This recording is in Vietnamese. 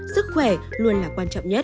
sức khỏe luôn là quan trọng nhất